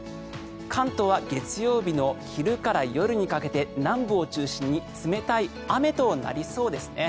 関東は月曜日の昼から夜にかけて南部を中心に冷たい雨となりそうですね。